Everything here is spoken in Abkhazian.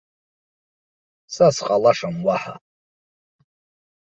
Са сҟалашам уаҳа!